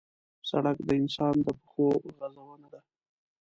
سړک د انسان د پښو غزونه ده.